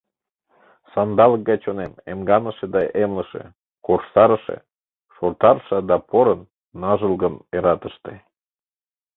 Сандалык гай чонем: эмганыше да эмлыше, корштарыше, шортарыше да порын, ныжылгын эратыште.